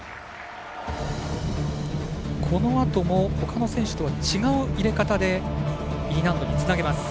このあともほかの選手とは違う入れ方で、Ｅ難度につなげます。